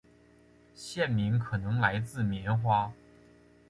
县名可能来自棉花。